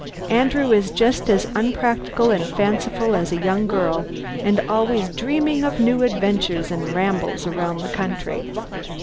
Andrew is just as unpractical and fanciful as a young girl, and always dreaming of new adventures and rambles around the country.